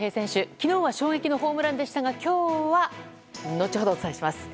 昨日は衝撃のホームランでしたが今日は後ほどお伝えします。